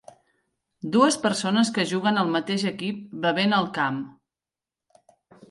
Dues persones que juguen al mateix equip bevent al camp.